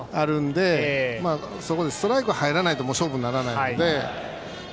そこでストライクが入らないと勝負にならないので。